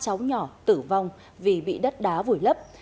sáu cháu nhỏ tử vong vì bị đất đá vùi lấp